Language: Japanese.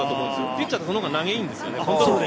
ピッチャーはそのほうが投げやすいんです。